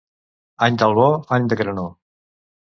Any d'albó, any de granor.